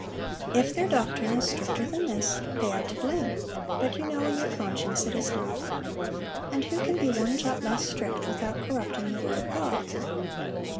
"If their doctrine is stricter than this, they are to blame; but you know in your conscience it is not. And who can be one jot less strict without corrupting the word of God?